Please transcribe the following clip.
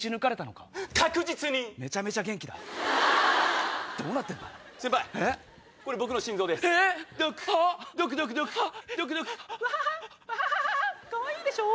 かわいいでしょ？